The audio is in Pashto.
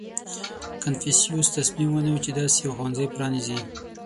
• کنفوسیوس تصمیم ونیو، چې داسې یو ښوونځی پرانېزي.